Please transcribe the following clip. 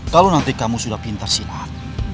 kalau nanti kamu sudah pintar sinar